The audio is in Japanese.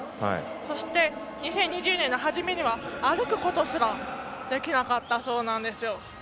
そして、２０２０年の初めには歩くことすらできなかったそうなんですよ。